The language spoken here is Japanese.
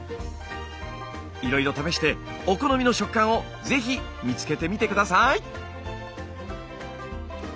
いろいろ試してお好みの食感をぜひ見つけてみて下さい！